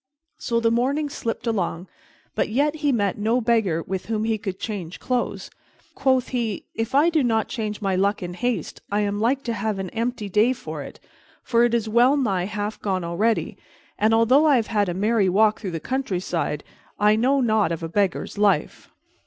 So the morning slipped along, but yet he met no beggar with whom he could change clothes. Quoth he, "If I do not change my luck in haste, I am like to have an empty day of it, for it is well nigh half gone already, and, although I have had a merry walk through the countryside, I know nought of a beggar's life."